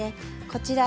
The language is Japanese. こちら